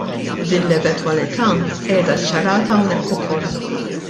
Din l-eventwalità qiegħda ċċarata hawnhekk ukoll.